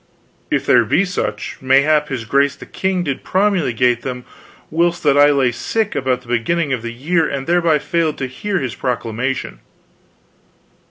"If there be such, mayhap his grace the king did promulgate them whilst that I lay sick about the beginning of the year and thereby failed to hear his proclamation."